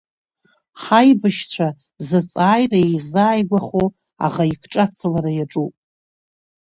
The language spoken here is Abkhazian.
Ҳаибашьцәа заҵааира еизааигәахо аӷа икҿацалара иаҿуп.